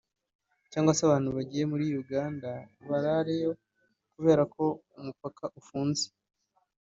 cyangwa se abantu bagiye muri Uganda barareyo kubera ko umupaka ufunze